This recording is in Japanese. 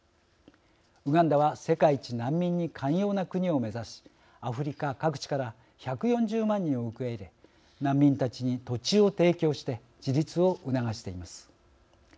ウガンダは世界一難民に寛容な国を目指しアフリカ各地から１４０万人を受け入れ難民たちに土地を提供して自立を促しています。